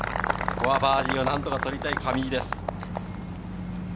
バーディーを何とか取りたい上井です。